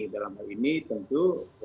dalam hal ini tentu